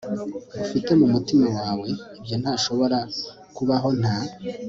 ufite mumutima wawe ibyo ntashobora kubaho nta